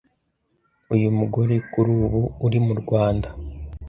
Uyu mugore kuri ubu uri mu Rwanda